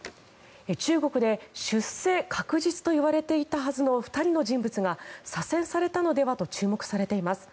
中国で出世確実と言われていたはずの２人の人物が左遷されたのではと注目されています。